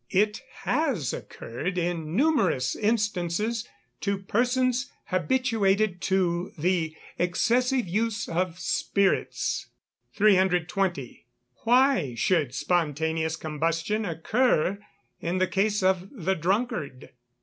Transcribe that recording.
_ It has occurred in numerous instances to persons habituated to the excessive use of spirits. 320. _Why should spontaneous combustion occur in the case of the drunkard?